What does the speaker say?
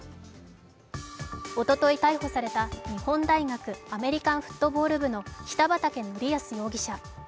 おととい逮捕された日本大学アメリカンフットボール部の北畠成文容疑者。